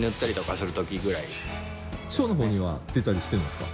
ショーには出たりしてるんですか？